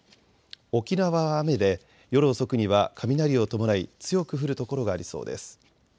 沖縄は雨で夜遅くには雷を伴い強く降る所がありそうです。